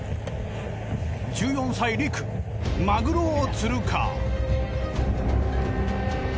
１４歳陸マグロを釣るか？